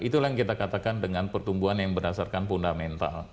itulah yang kita katakan dengan pertumbuhan yang berdasarkan fundamental